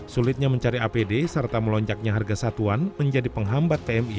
sulitnya mencari apd serta melonjaknya harga satuan menjadi penghambat pmi